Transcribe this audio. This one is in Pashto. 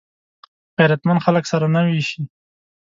غیرتمند خلک سره نه وېشي